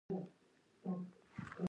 د مرچکو سپری د کومو حشراتو لپاره دی؟